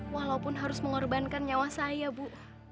walaupun harus mengorbankan nyawa saya bu